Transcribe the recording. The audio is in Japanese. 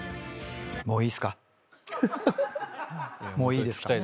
もういいですか？